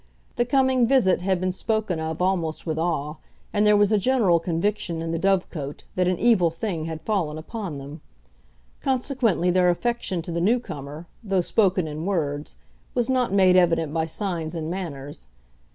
The coming visit had been spoken of almost with awe, and there was a general conviction in the dovecote that an evil thing had fallen upon them. Consequently, their affection to the new comer, though spoken in words, was not made evident by signs and manners.